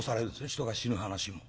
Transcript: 人が死ぬ噺も。